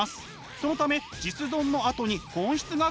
そのため実存のあとに本質が来るのです。